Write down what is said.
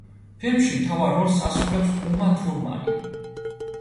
ფილმში მთავარ როლს ასრულებს უმა თურმანი.